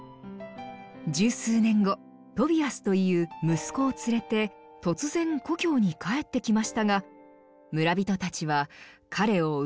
十数年後トビアスという息子を連れて突然故郷に帰ってきましたが村人たちは彼を受け入れませんでした